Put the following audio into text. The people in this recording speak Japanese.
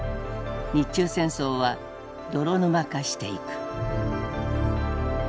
日中戦争は泥沼化していく。